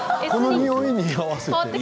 においに合わせて？